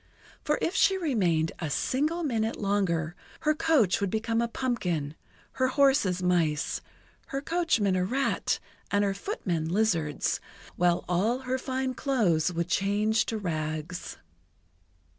For if she remained a single minute longer, her coach would become a pumpkin; her horses, mice; her coachman, a rat; and her footmen, lizards; while all her fine clothes would change to rags.